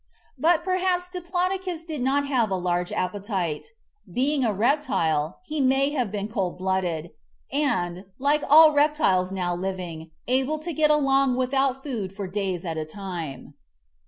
But perhaps Diplodocus did not have a large appetite. Being a reptile, he may have been cold blooded and, like all reptiles now living, able to get along without food for days at a time.